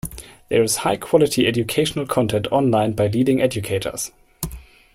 There is high-quality educational content online by leading educators.